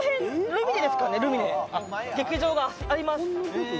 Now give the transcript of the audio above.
ルミネ劇場があります